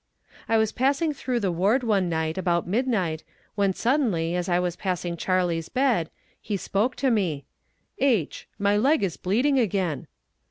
"I was passing through the ward one night, about midnight, when suddenly, as I was passing Charley's bed, he spoke to me: 'H , my leg is bleeding again.'